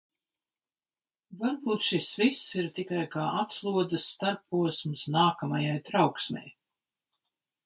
Varbūt šis viss ir tikai kā atslodzes starpposms nākamajai trauksmei.